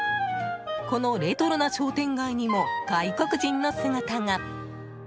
このレトロな商店街にも外国人の姿が。